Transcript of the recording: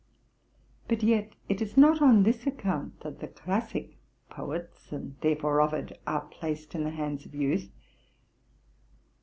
But yet it is not on this account that the classic poets, and therefore Ovid, are placed in the hands of youth.